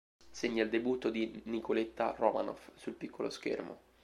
Segna il debutto di Nicoletta Romanoff sul piccolo schermo.